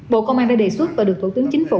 bộ công an đã đề xuất và được thủ tướng chính phủ